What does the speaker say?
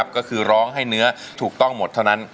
ก็คือร้องให้เนื้อถูกต้องหมดเท่านั้น